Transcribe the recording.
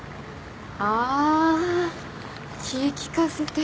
あ気ぃ利かせて。